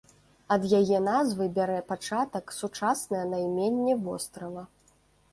Ад яе назвы бярэ пачатак сучаснае найменне вострава.